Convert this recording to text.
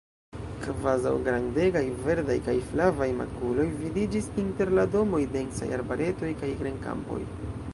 Kvazaŭ grandegaj verdaj kaj flavaj makuloj, vidiĝis inter la domoj densaj arbaretoj kaj grenkampoj.